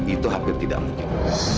itu hampir tidak mungkin